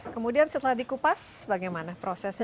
kemudian setelah dikupas bagaimana prosesnya